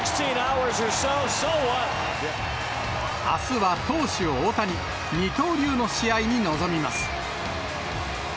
あすは投手、大谷、二刀流の試合に臨みます。